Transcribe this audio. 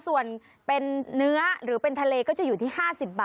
ส่วนเป็นเนื้อหรือเป็นทะเลก็จะอยู่ที่๕๐บาท